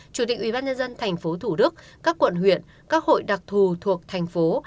chủ tịch ubnd tp thủ đức các quận huyện các hội đặc thù thuộc thành phố